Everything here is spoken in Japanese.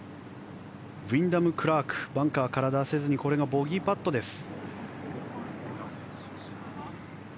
ウィンダム・クラークバンカーから出せずにこれがボギーパットです。